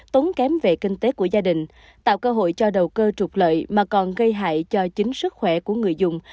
tốn kém về kinh tế của gia đình tạo cơ hội cho đầu cơ trục lợi mà còn gây hại cho chính sức khỏe của người dùng